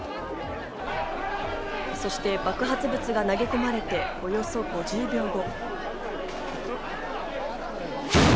そして爆発物が投げ込まれて、およそ５０秒後。